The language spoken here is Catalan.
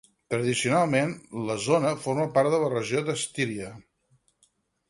Tradicionalment, la zona forma part de la regió de Styria.